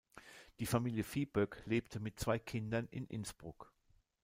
Die Familie Viehböck lebte mit zwei Kindern in Innsbruck.